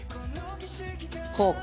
こうか。